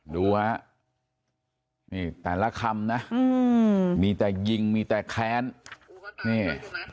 ดูฮะนี่แต่ละคำนะมีแต่ยิงมีแต่แค้นนี่